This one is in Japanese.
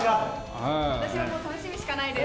私はもう、楽しみしかないです。